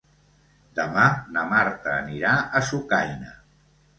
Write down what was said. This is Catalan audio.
Demà na Marta anirà a Sucaina.